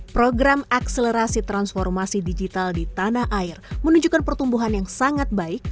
program akselerasi transformasi digital di tanah air menunjukkan pertumbuhan yang sangat baik